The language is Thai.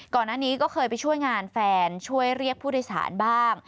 ก่อนหน้านี้ก็เคยไปช่วยงานแฟนช่วยเรียกผู้โดยสารบ้าง